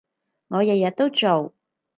我日日都做